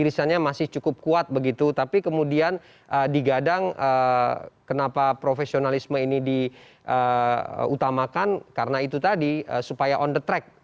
rilisannya masih cukup kuat begitu tapi kemudian digadang kenapa profesionalisme ini diutamakan karena itu tadi supaya on the track